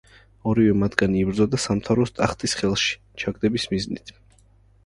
ორივე მათგანი იბრძოდა სამთავროს ტახტის ხელში ჩაგდების მიზნით.